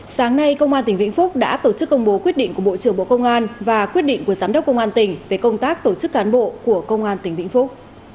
sáng nay công an tỉnh vĩnh phúc đã tổ chức công bố quyết định của bộ trưởng bộ công an và quyết định của giám đốc công an tỉnh về công tác tổ chức cán bộ của công an tỉnh vĩnh phúc